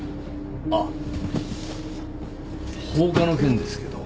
あっ放火の件ですけど。